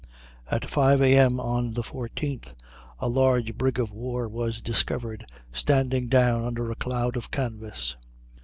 At 5 A.M. on the 14th a large brig of war was discovered standing down under a cloud of canvas.